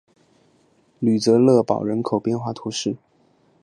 吕泽勒堡人口变化图示